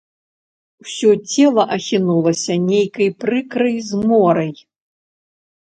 Усё цела ахінулася нейкай прыкрай зморай.